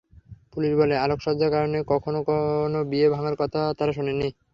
Police বলে, আলোকসজ্জার কারণে কখনো কোনো বিয়ে ভাঙার কথা তারা শোনেনি।